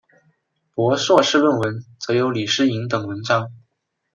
博硕士论文则有李诗莹等文章。